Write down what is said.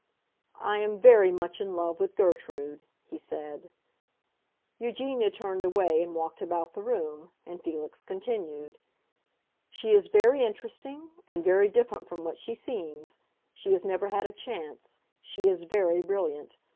"I am very much in love with Gertrude," he said. Eugenia turned away and walked about the room, and Felix continued. "She is very interesting, and very different from what she seems. She has never had a chance. She is very brilliant.